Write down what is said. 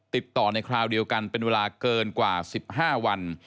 ติดต่อในคราวเดียวกันเป็นเวลาเกินกว่า๑๕วัน